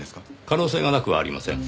可能性がなくはありません。